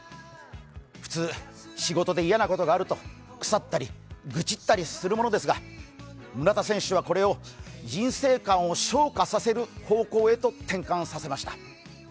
普通、仕事で嫌なことがあると腐ったり愚痴ったりするものですが村田選手はこれを人生観を昇華させる方向へと転換させました。